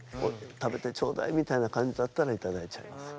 「食べてちょうだい」みたいな感じだったらいただいちゃいます。